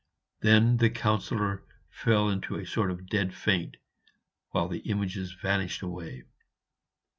Then the Councillor fell into a sort of dead faint, whilst the images vanished away.